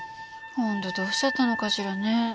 本当どうしちゃったのかしらね。